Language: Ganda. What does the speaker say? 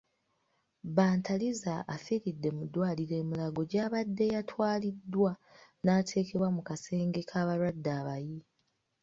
Bantariza afiridde mu ddwaliro e Mulago gy'abadde yatwaliddwa naateekebwa mu kasenge k'abalwadde abayi.